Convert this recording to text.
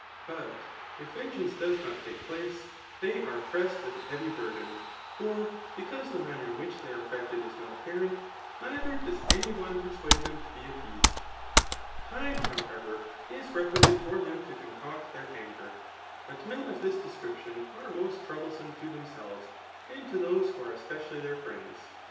But if vengeance does not take place, they are q>pressed «rith a heavy burden ; for because the manner in which th^ are affected fe not apparent^ neither does any one Digitized by Google iJUJ^. ^. ETHIC*. 189 persuade dirai [to be iq)peased.] Time, howct«r, is re* quisite for them to concoct their angen But men of this description, are most troublesome to tbemselTes, and to those who are especially their friends.